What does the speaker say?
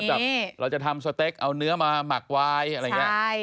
แบบเราจะทำสเต็กเอาเนื้อมาหมักวายอะไรอย่างนี้